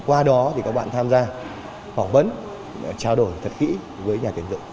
qua đó các bạn tham gia phỏng vấn trao đổi thật kỹ với nhà tiền dụng